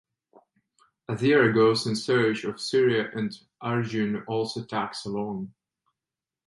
Athira goes in search of Surya and Arjun also tags along.